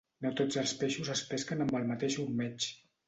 No tots els peixos es pesquen amb el mateix ormeig.